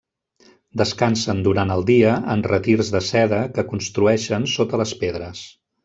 Descansen durant el dia en retirs de seda que construeixen sota les pedres.